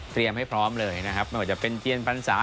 เตรียมให้พร้อมเลยนะครับมันก็จะเป็นเจียนปรรรศาสตร์